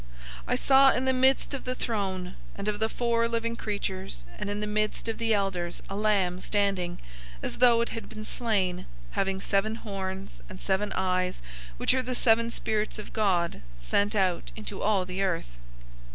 005:006 I saw in the midst of the throne and of the four living creatures, and in the midst of the elders, a Lamb standing, as though it had been slain, having seven horns, and seven eyes, which are the seven Spirits of God, sent out into all the earth.